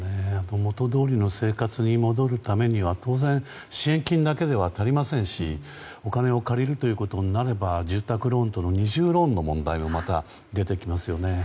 元通りの生活に戻るためには当然、支援金だけでは足りませんしお金を借りることになれば住宅ローンとの二重ローンの問題もまた出てきますよね。